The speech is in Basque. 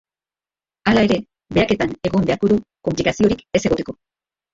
Hala ere, behaketan egon beharko du, konplikaziorik ez egoteko.